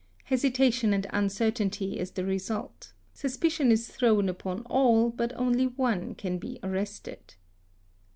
Hesitation and ; iIncertainty is the result; suspicion is thrown upon all but only one can be arrested.